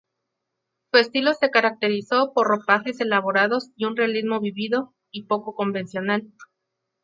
Su estilo se caracterizó por ropajes elaborados y un realismo vívido y poco convencional.